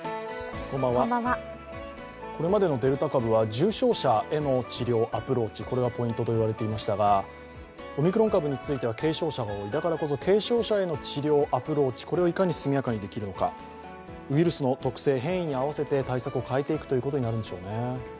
これまでのデルタ株は重症者への治療、アプローチこれがポイントと言われていましたが、オミクロン株については軽症者が多い、だからこそ軽症者への対策、アプローチ、これをいかに速やかにできるのかウイルスの特性、変異に合わせて対策を変えていくことになるんでしょうね。